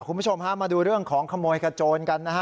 คุณผู้ชมฮะมาดูเรื่องของขโมยขโจรกันนะฮะ